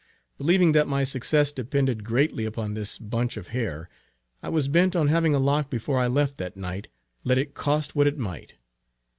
Believing that my success depended greatly upon this bunch of hair, I was bent on having a lock before I left that night let it cost what it might.